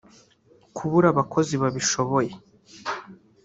kubura abakozi babishoboye